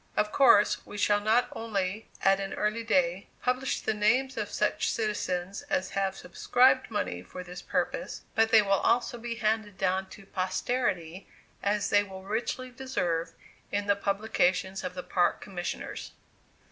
Of course, we shall not only, at an early day, publish the names of such citizens as have subscribed money for this purpose, but they will also be handed down to posterity, as they will richly deserve, in the publication of the Park Commissioners.